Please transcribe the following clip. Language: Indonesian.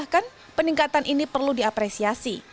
rahma menambahkan peningkatan ini perlu diapresiasi